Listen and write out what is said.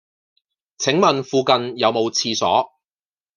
請問附近有無廁所